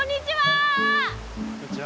こんにちは！